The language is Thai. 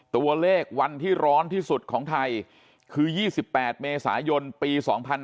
ตัวเลขวันที่ร้อนที่สุดของไทยคือ๒๘เมษายนปี๒๕๕๙